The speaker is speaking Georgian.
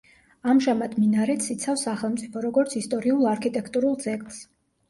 ამჟამად მინარეთს იცავს სახელმწიფო, როგორც ისტორიულ-არქიტექტურულ ძეგლს.